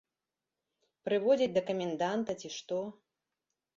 Прыводзяць да каменданта, ці што.